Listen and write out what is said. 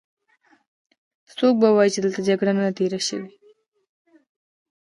څوک به وايې چې دلته جګړه نه ده تېره شوې.